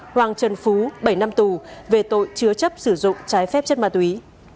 hoàng trần phú bảy năm tù về tội chứa chấp sử dụng trái phép chất ma túy